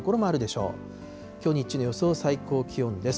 きょう日中の予想最高気温です。